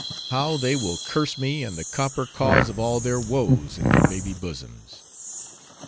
How they will curse me and the copper cause of all their woes, in their baby bosoms!